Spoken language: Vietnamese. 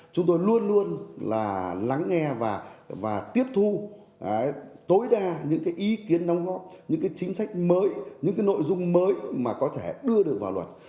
chúng tôi luôn luôn là lắng nghe và tiếp thu tối đa những cái ý kiến đóng góp những cái chính sách mới những cái nội dung mới mà có thể đưa được vào luật